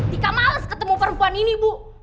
tika males ketemu perempuan ini bu